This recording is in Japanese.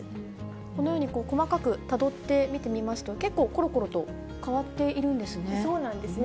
このように細かくたどって見てみますと、結構、ころころと変わっているんですね。